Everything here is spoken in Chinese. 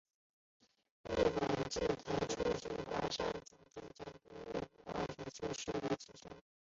日本治台初期随桦山总督抵台的学务部长伊泽修二为其兄。